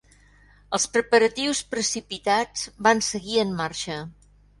Els preparatius precipitats van seguir en marxa.